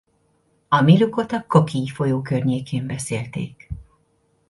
A milukot a Coquille-folyó környékén beszélték.